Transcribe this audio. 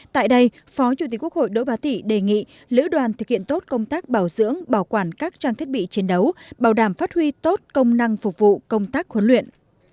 tại đây phó chủ tịch quốc hội đỗ bá tị đề nghị lữ đoàn thực hiện tốt công tác bảo dưỡng bảo quản các trang thiết bị chiến đấu bảo đảm phát huy tốt công năng phục vụ công tác huấn luyện